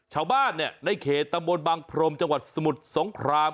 ชาวบ้านในเขตตำบลบางพรมจังหวัดสมุทรสงคราม